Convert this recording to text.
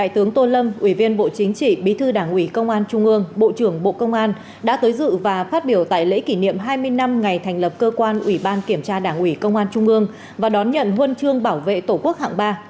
tướng tô lâm ủy viên bộ chính trị bí thư đảng ủy công an trung ương bộ trưởng bộ công an đã tới dự và phát biểu tại lễ kỷ niệm hai mươi năm ngày thành lập cơ quan ủy ban kiểm tra đảng ủy công an trung ương và đón nhận huân chương bảo vệ tổ quốc hạng ba